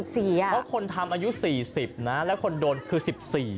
เพราะคนทำอายุ๔๐นะแล้วคนโดนคือ๑๔